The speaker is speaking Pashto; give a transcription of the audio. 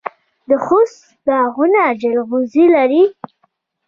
د خوست باغونه جلغوزي لري.